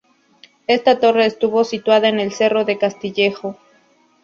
Esta torre estuvo situada en el Cerro del Castillejo.